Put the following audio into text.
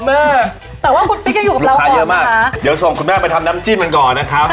แต่ว่าคุณปิ๊กก็อยู่กับลูกค้าเยอะมากเดี๋ยวส่งคุณแม่ไปทำน้ำจิ้มกันก่อนนะครับ